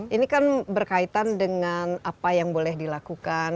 ini kan berkaitan dengan apa yang boleh dilakukan